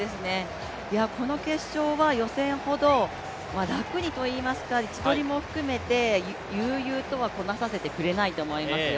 この決勝は予選ほど楽にといいますか、位置取りも含めて悠々とはこなさせてくれないと思いますよ。